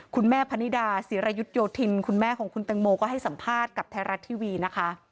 คุณแม่พนิดาศิรายุทย์โยธิน